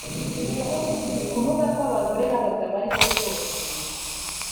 kuvuga ko abagore n'abagabo aribyo rwose